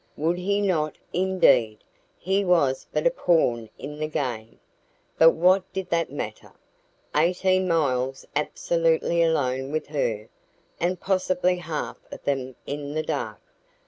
Would he not, indeed? He was but a pawn in the game, but what did that matter? Eighteen miles absolutely alone with her! And possibly half of them in the dark!